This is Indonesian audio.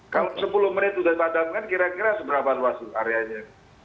kalau sepuluh menit sudah dipadamkan kira kira seberapa luas areanya